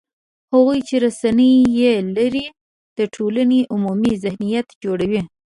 هغوی چې رسنۍ یې لري، د ټولنې عمومي ذهنیت جوړوي